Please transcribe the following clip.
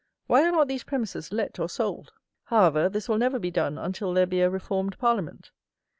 Why are not these premises let or sold? However, this will never be done until there be a reformed Parliament.